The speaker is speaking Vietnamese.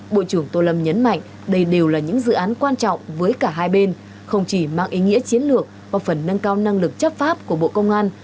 bộ trưởng tô lâm nhấn mạnh đây đều là những dự án quan trọng với cả hai bên không chỉ mang ý nghĩa chiến lược và phần nâng cao năng lực chấp pháp của bộ công an